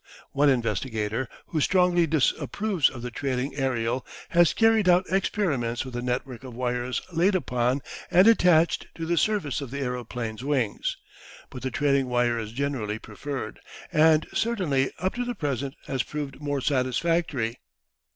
One investigator, who strongly disapproves of the trailing aerial, has carried out experiments with a network of wires laid upon and attached to the surface of the aeroplane's wings. But the trailing wire is generally preferred, and certainly up to the present has proved more satisfactory.